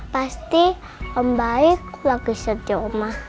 pasti om baik lagi sedih oma